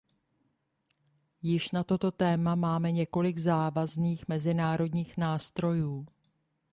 Již na toto téma máme několik závazných mezinárodních nástrojů.